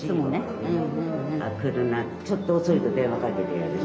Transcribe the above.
来るのちょっと遅いと電話かけてやるし。